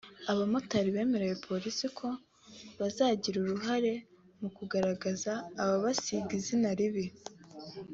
Abamotari bemereye Polisi ko bazagira uruhare mu kugaragaza ababasiga izina ribi